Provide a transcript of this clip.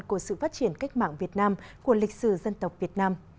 của sự phát triển cách mạng việt nam của lịch sử dân tộc việt nam